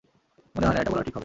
মনে হয় না, এটা বলা ঠিক হবে।